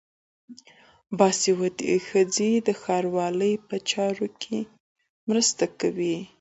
باسواده ښځې د ښاروالۍ په چارو کې مرسته کوي.